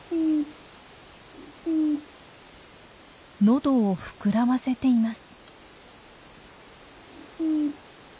喉を膨らませています。